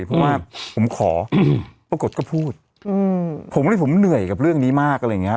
เพราะว่าผมขอปรากฏก็พูดผมเลยผมเหนื่อยกับเรื่องนี้มากอะไรอย่างเงี้